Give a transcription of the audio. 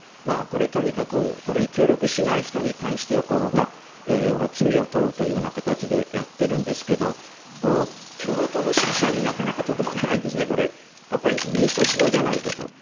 とにかくこれに協力しない人に関しては罪を問うというような形でやっているんですが共産党の支持者になかなか届かないんですね。民主党主導じゃないかと。